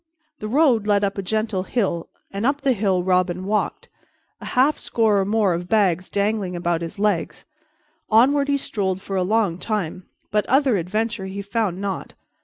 The road led up a gentle hill and up the hill Robin walked, a half score or more of bags dangling about his legs. Onward he strolled for a long time, but other adventure he found not.